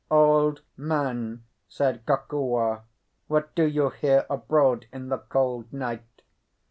"Old man," said Kokua, "what do you here abroad in the cold night?"